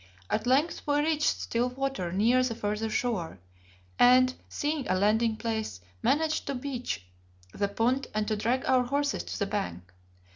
At length we reached still water near the further shore, and seeing a landing place, managed to beach the punt and to drag our horses to the bank.